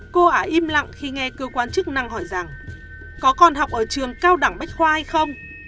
cô ả im lặng khi nghe cơ quan chức năng hỏi rằng có con học ở trường cao đẳng bách khoa hay không